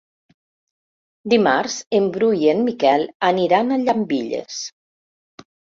Dimarts en Bru i en Miquel aniran a Llambilles.